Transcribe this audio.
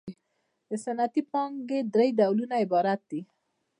د صنعتي پانګې درې ډولونه عبارت دي